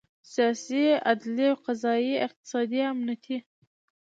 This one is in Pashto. سیاسي، عدلي او قضایي، اقتصادي، امنیتي